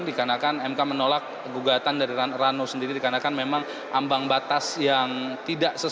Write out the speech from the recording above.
dikarenakan mk menolak gugatan dari rano sendiri dikarenakan memang ambang batas yang tidak sesuai